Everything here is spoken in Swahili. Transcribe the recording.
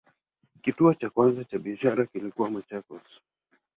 Kituo cha kwanza cha biashara kilikuwa Machakos.